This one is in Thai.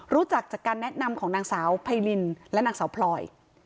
รู้จักจากการแนะนำของนางสาวไพรินและนางสาวพลอย